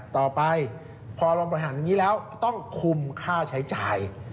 ต่อไปพอเราบริหารอย่างนี้แล้วต้องคุมค่าใช้จ่าย